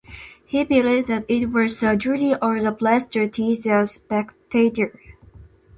He believed that it was the duty of the press to teach the spectator.